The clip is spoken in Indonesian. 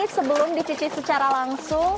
sebelum dicuci secara langsung